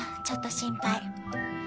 ちょっと心配。